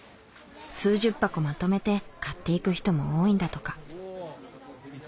数十箱まとめて買っていく人も多いんだとか。